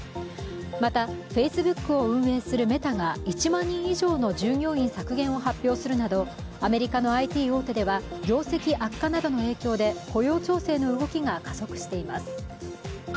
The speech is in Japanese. またＦａｃｅｂｏｏｋを運営するメタが１万人以上の従業員削減を発表するなどアメリカのＩＴ大手では業績悪化などの影響で雇用調整の動きが加速しています。